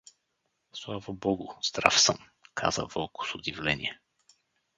— Слава богу, здрав съм — каза Вълко с удивление.